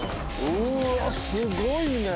うわすごいね。